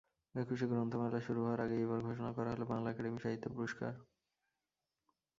একুশে গ্রন্থমেলা শুরু হওয়ার আগেই এবার ঘোষণা করা হলো বাংলা একাডেমি সাহিত্য পুরস্কার।